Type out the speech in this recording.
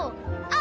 あ！